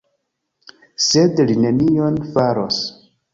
Sed li nenion faros.